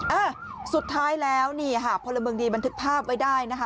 อ่าสุดท้ายแล้วนี่ค่ะพลเมืองดีบันทึกภาพไว้ได้นะคะ